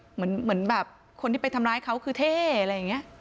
เหมือนแบบคนที่ไปทำร้ายเขาคือเท่อะไรอย่างนี้